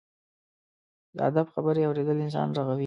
د ادب خبرې اورېدل انسان رغوي.